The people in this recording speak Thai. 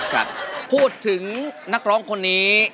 ครับพูดถึงนักร้องคนนี้